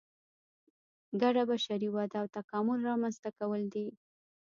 ګډه بشري وده او تکامل رامنځته کول دي.